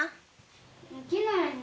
起きないね。